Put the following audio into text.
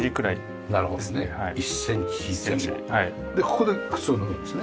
ここで靴を脱ぐんですね。